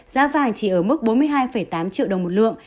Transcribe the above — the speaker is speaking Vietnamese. giá vàng chỉ ở mức bốn mươi hai tám triệu đồng một lượng